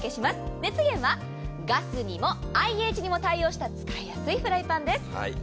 熱源はガスにもＩＨにも対応した使いやすいフライパンです。